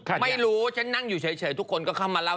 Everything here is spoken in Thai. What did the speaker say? คนที่บอกเรื่องของเขาจะเรื่องของเขา